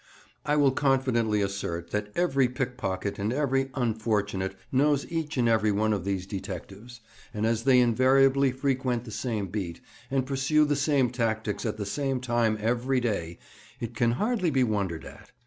I will confidently assert that every pickpocket and every "unfortunate" knows each and every one of these detectives; and as they invariably frequent the same beat, and pursue the same tactics at the same time every day, it can hardly be wondered at.